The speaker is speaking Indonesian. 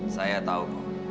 saya tahu bu